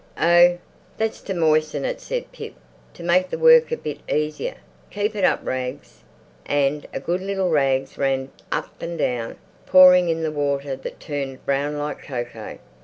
"Oh, that's to moisten it," said Pip, "to make the work a bit easier. Keep it up, Rags." And good little Rags ran up and down, pouring in the water that turned brown like cocoa.